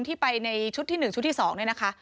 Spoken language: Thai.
ที่ไปในชุดที่๑ชุดที่๒เนี่ยนะคะ